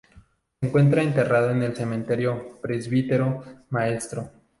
Se encuentra enterrado en el Cementerio Presbítero Maestro.